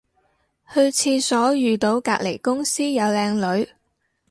去廁所遇到隔離公司有靚女